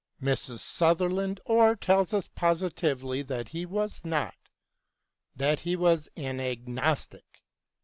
Mrs. Sutherland Orr tells us positively that he was not, that he was an agnostic.